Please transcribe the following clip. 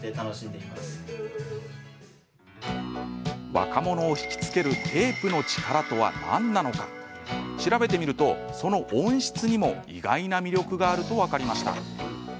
若者を引きつけるテープの力とは何なのか調べてみると、その音質にも意外な魅力があると分かりました。